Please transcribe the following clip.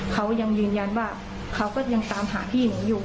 เขายังยืนยันว่าเขาก็ยังตามหาพี่หนูอยู่